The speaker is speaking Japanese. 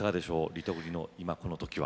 リトグリの「今この瞬間」は？